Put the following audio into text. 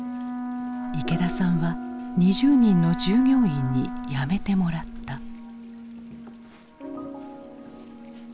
池田さんは２０人の従業員に辞めてもらった。